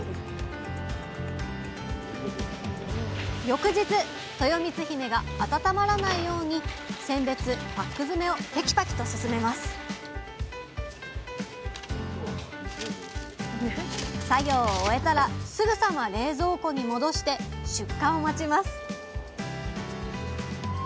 翌日とよみつひめが温まらないように選別パック詰めをてきぱきと進めます作業を終えたらすぐさま冷蔵庫に戻して出荷を待ちます